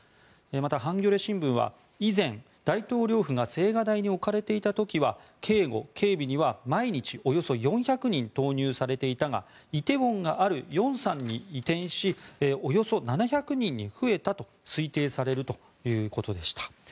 また、ハンギョレ新聞は以前、大統領府が青瓦台に置かれていた時は警護・警備には毎日およそ４００人が投入されていたが梨泰院がある龍山に移転しおよそ７００人に増えたと推定されるということでした。